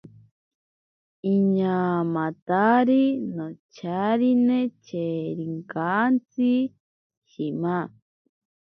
Iñaamatari nocharine cherinkantsi shima.